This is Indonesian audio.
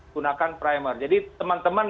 gunakan primer jadi teman teman